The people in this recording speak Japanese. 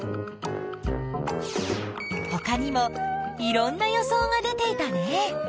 ほかにもいろんな予想が出ていたね。